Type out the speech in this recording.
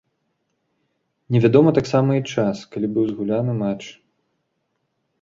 Невядома таксама і час, калі быў згуляны матч.